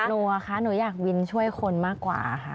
กลัวค่ะหนูอยากบินช่วยคนมากกว่าค่ะ